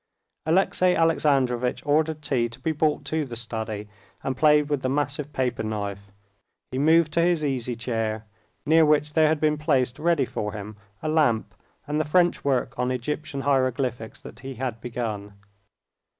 Alexey Alexandrovitch ordered tea to be brought to the study, and playing with the massive paper knife, he moved to his easy chair, near which there had been placed ready for him a lamp and the French work on Egyptian hieroglyphics that he had begun.